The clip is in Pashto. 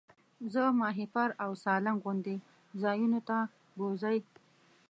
زه ماهیپر او سالنګ غوندې ځایونو ته بوځئ.